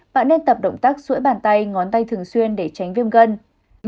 bạn nên tập động tác sũi bàn tay ngón tay thường xuyên để tránh viêm gân